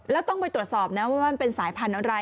แล้วต้องไปตรวจสอบนะว่ามันเป็นสายพันธุ์อะไร